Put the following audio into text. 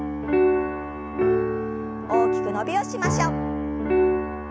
大きく伸びをしましょう。